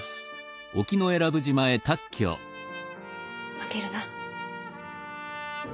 負けるな。